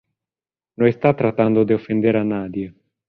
No está tratando de ofender a nadie.